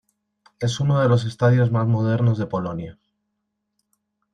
Es uno de los estadios más modernos de Polonia.